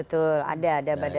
betul ada ada badannya